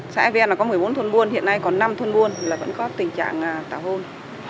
xã e có một mươi bốn thôn buôn hiện nay còn năm thôn buôn là vẫn có tình trạng tảo hôn